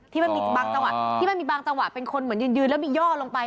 ที่มันมีบางจังหวะเป็นคนเหมือนยืนแล้วมีย่อลงไป